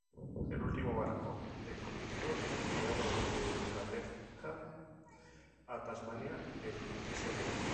El último barco de convictos enviado desde Inglaterra a Tasmania, el "St.